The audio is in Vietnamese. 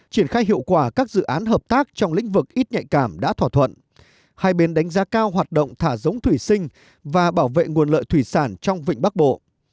triển khai hiệu quả các dự án hợp tác trong lĩnh vực ít nhạy cảm đã thỏa thuận hai bên đánh giá cao hoạt động thả giống thủy sinh và bảo vệ nguồn lợi thủy sản trong vịnh bắc bộ